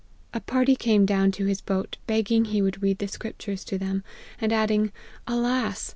A party came down to his boat, begging he would read the scriptures to them ; and adding, Alas